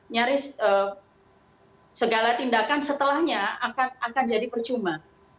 nyaris segala tindakan setelahnya akan jadi percuma